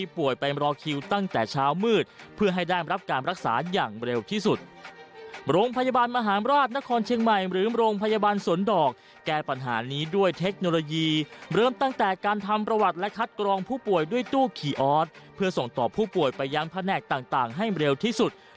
เพื่อส่งต่อผู้ป่วยไปย้ำพระแนกต่างให้เร็วที่สุด